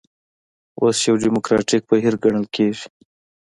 اوس یو ډیموکراتیک بهیر ګڼل کېږي.